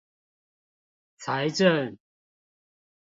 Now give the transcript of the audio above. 財政